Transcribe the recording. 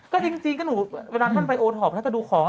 ก็จริงก็หนูเวลาท่านไปโอท็อปท่านจะดูของ